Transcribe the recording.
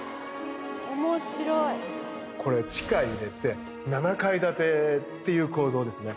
これは地下を入れて７階建てっていう構造ですね。